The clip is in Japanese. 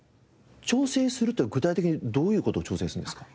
調整するとは具体的にどういう事を調整するんですか？